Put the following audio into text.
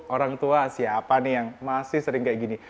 orang tua siapa nih yang masih sering kayak gini